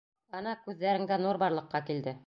Ана, күҙҙәреңдә нур барлыҡҡа килде.